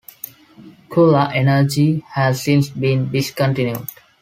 Coolah Energy has since been discontinued.